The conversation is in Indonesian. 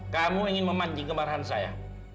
kamu ingin memancing kemarahan saya